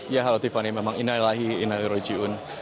ya halo tiffany memang inai lahir inai rojiun